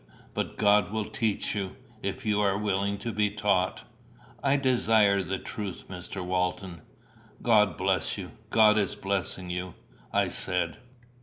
But God will teach you, if you are willing to be taught." "I desire the truth, Mr. Walton." "God bless you! God is blessing you," I said.